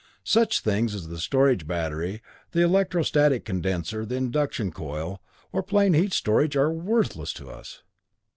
Such things as the storage battery, the electro static condenser, the induction coil, or plain heat storage, are worthless to us.